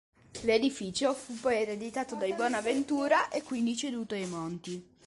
L'edificio fu poi ereditato dai Bonaventura e quindi ceduto ai Monti.